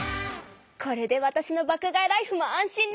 これでわたしの爆買いライフも安心ね！